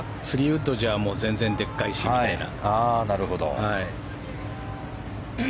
３ウッドじゃ全然でかいしみたいな。